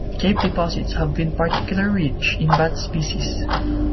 Cave deposits have been particularly rich in bat species.